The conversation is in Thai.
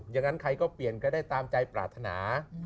อย่างนั้นใครก็เปลี่ยนก็ได้ตามใจปรารถนา